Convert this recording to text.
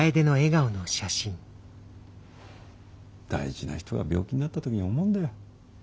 大事な人が病気になった時思うんだよ。